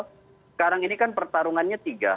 sekarang ini kan pertarungannya tiga